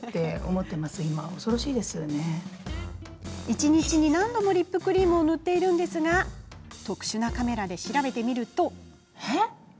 一日に何度もリップクリームを塗っているんですが特殊なカメラで調べてみると。